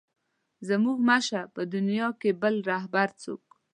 زموږ مه شه په دنیا کې بل رهبر څوک.